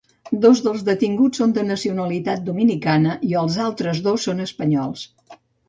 Dos dels detinguts són de nacionalitat dominicana i els altres dos són espanyols.